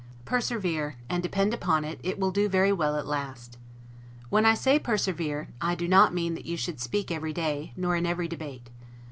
Persevere, and, depend upon it, it will do well at last. When I say persevere, I do not mean that you should speak every day, nor in every debate.